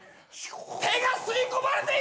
手が吸い込まれていく！